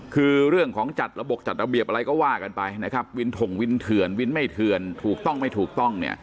คือเรื่องของจัดระบบจัดระเบียบอะไรก็ว่ากันไปนะครับวินถงวินเถื่อนวินไม่เถื่อนถูกต้องไม่ถูกต้อง